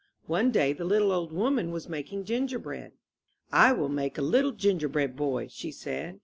One day the little old woman was making gingerbread. I will make a little gingerbread boy," she said.